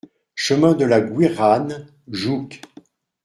Chemin de la Gouiranne, Jouques